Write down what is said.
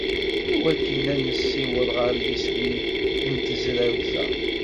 I wakken ad nessiweḍ ɣer yiswi n tezrawt-a.